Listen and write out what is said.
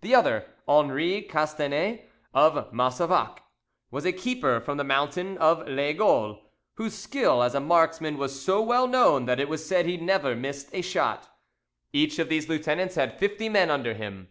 The other, Henri Castanet of Massevaques, was a keeper from the mountain of Laygoal, whose skill as a marksman was so well known that it was said he never missed a shot. Each of these lieutenants had fifty men under him.